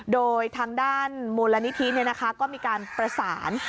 โดยทางด้านมูลนิธิก็มีการประสาน